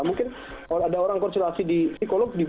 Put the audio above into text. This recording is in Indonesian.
mungkin ada orang konsultasi di psikolog